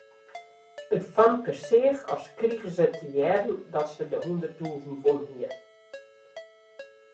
It famke seach as krige se te hearren dat se de hûnderttûzen wûn hie.